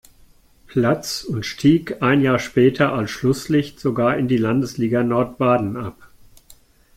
Platz und stieg ein Jahr später als Schlusslicht sogar in die Landesliga Nordbaden ab.